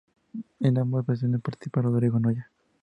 En ambas versiones participa Rodrigo Noya.